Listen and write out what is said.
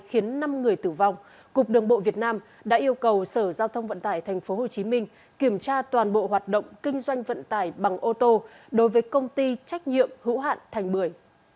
khiến năm người tử vong cục đường bộ việt nam đã yêu cầu sở giao thông vận tải tp hcm kiểm tra toàn bộ hoạt động kinh doanh vận tải bằng ô tô đối với công ty trách nhiệm hữu hạn thành bưởi